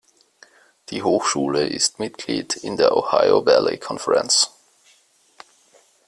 Die Hochschule ist Mitglied in der Ohio Valley Conference.